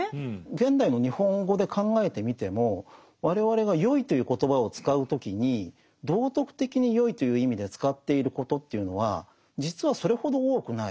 現代の日本語で考えてみても我々が「よい」という言葉を使う時に道徳的に善いという意味で使っていることというのは実はそれほど多くない。